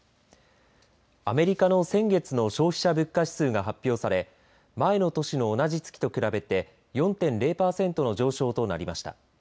アメリカの先月の消費者物価指数が発表され前の年の同じ月と比べて４．０パーセントの上昇となりました。